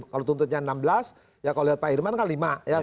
kalau tuntutnya enam belas ya kalau lihat pak irman kan lima